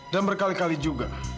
dan berkali kali juga